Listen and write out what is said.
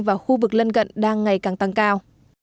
và khu vực lân cận đang ngày càng tăng cao